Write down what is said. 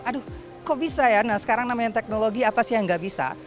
aduh kok bisa ya nah sekarang namanya teknologi apa sih yang gak bisa